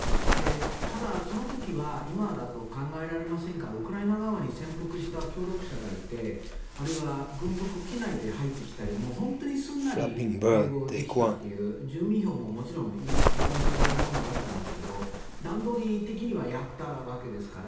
ただ、その時は今だと考えられませんがウクライナ側に潜伏した協力者がいてあるいは、軍服を着ないで入ってきたり本当にすんなり併合できたという住民投票もいい加減なものだったんですけど段取り的にはやったわけですよね。